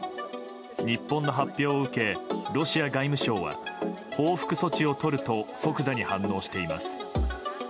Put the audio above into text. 日本の発表を受けロシア外務省は報復措置をとると即座に反応しています。